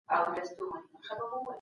د نړيوالو موسساتو دندي د سياست برخه دي.